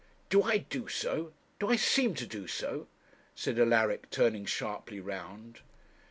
'Do I do so do I seem to do so?' said Alaric, turning sharply round.